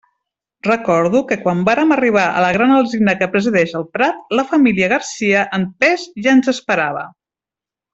Recordo que quan vàrem arribar a la gran alzina que presideix el prat, la família Garcia en pes ja ens esperava.